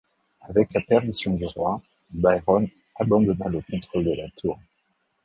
Avec la permission du roi, Byron abandonna le contrôle de la Tour.